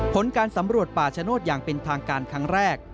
ผลการสำรวจป่าชโนธอย่างเป็นทางการครั้งแรก